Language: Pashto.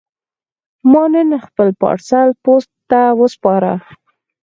ما نن خپل پارسل پوسټ ته وسپاره.